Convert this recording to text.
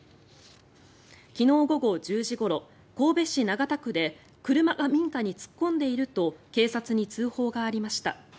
昨日午後１０時ごろ神戸市長田区で車が民家に突っ込んでいると警察に通報がありました。